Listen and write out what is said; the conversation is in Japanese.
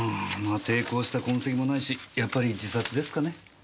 ああ抵抗した痕跡もないしやっぱり自殺ですかね？